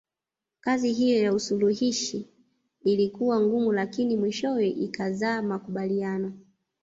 Kazi hiyo ya usuluhishi ilikuwa ngumu lakini mwishowe ikazaa makubaliano